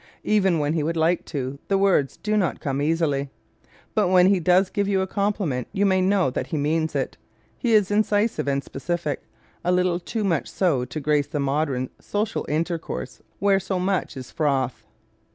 Even when he would like to, the words do not come easily. But when he does give you a compliment you may know he means it. He is incisive and specific a little too much so to grace modern social intercourse where so much is froth.